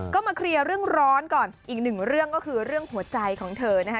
ก็มาเคลียร์เรื่องร้อนก่อนอีกหนึ่งเรื่องก็คือเรื่องหัวใจของเธอนะคะ